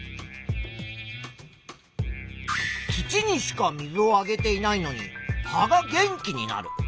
土にしか水をあげていないのに葉が元気になる。